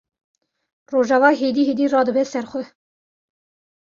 Rojava hêdî hêdî radibe ser xwe.